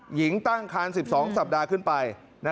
หญิงตั้งคัน๑๒สัปดาห์ขึ้นไป